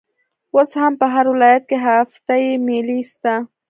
اوس هم په هر ولايت کښي هفته يي مېلې سته.